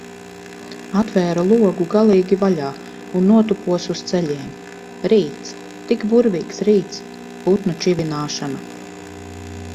Atvēru logu galīgi vaļā un notupos uz ceļiem. Rīts. Tik burvīgs rīts! Putnu čivināšana.